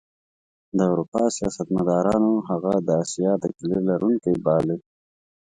د اروپا سیاستمدارانو هغه د اسیا د کیلي لرونکی باله.